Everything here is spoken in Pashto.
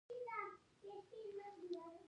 د سلطنت عظمت به بیا وځلیږي.